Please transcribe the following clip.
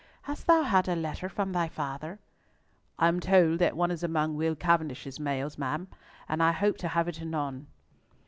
Hast thou had a letter from thy father?" "I am told that one is among Will Cavendish's mails, madam, and I hope to have it anon."